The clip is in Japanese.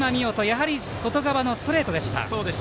やはり外側のストレートでした。